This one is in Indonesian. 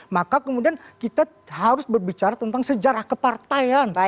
maka kemudian kita harus berbicara tentang sejarah kepartaian